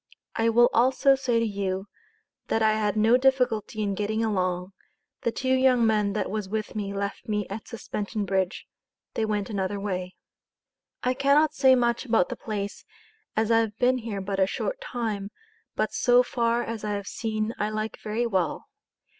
I will also say to you, that I had no difficulty in getting along. the two young men that was with me left me at Suspension Bridge. they went another way. I cannot say much about the place as I have ben here but a short time but so far as I have seen I like very well.